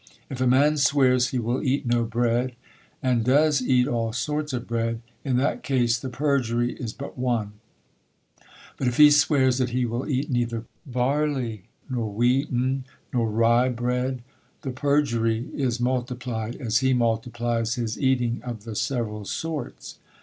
If a man swears he will eat no bread, and does eat all sorts of bread, in that case the perjury is but one; but if he swears that he will eat neither barley, nor wheaten, nor rye bread, the perjury is multiplied as he multiplies his eating of the several sorts.